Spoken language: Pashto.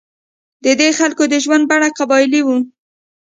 د دې خلکو د ژوند بڼه قبایلي وه.